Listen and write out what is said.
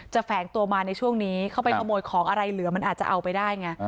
แฝงตัวมาในช่วงนี้เข้าไปขโมยของอะไรเหลือมันอาจจะเอาไปได้ไง